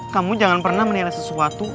kamu jangan pernah menilai sesuatu